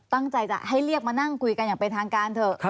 ตั้งใจจะให้เรียกมานั่งคุยกันอย่างเป็นทางการเถอะ